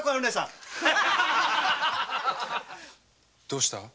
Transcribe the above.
どうした？